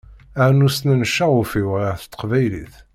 Rnu snen ccaɣuf-iw ɣef teqbaylit.